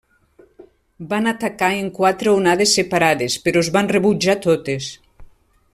Van atacar en quatre onades separades però es van rebutjar totes.